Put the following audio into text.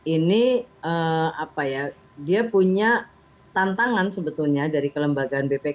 ini apa ya dia punya tantangan sebetulnya dari kelembagaan bpk